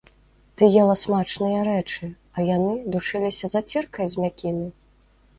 Ты ела смачныя рэчы, а яны душыліся заціркай з мякіны?